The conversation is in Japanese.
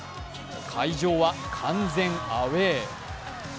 会場は完全アウェー。